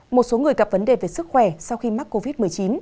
một số người gặp vấn đề về sức khỏe sau khi mắc covid một mươi chín